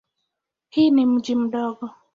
Hii ni mji mdogo.